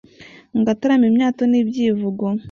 ngatarama imyato nibyivugo